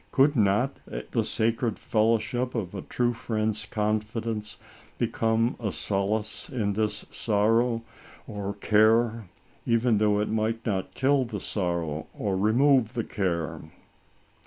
Could not the sacred fellowship of a true friend's confidence become a solace in this sorrow or care, even though it might not kill the sorrow or remove the care